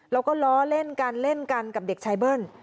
แล้วก็ล้อเล่นกันเล่นกันกับเด็กชายเบิ้ล